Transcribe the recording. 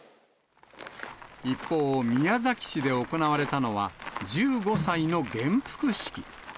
一方、宮崎市で行われたのは、１５歳の元服式。